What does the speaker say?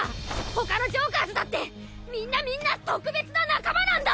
他のジョーカーズだってみんなみんな特別な仲間なんだ！